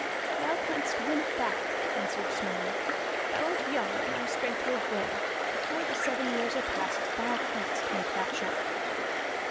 "Thou canst win it back," answered Snorri. "Thou art young and thy strength will grow. Before the seven years are past thou canst make that shot."